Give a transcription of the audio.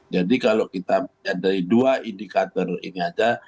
jadi kalau kita lihat dari dua indikator ini saja